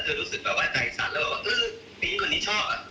เธอรู้สึกแบบว่าใจสันแล้วแบบว่าอื้อปีนี้คนนี้ชอบอ่ะ